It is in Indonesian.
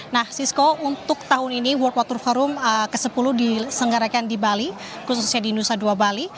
nah sisko untuk tahun ini world water forum ke sepuluh diselenggarakan di bali khususnya di nusa dua bali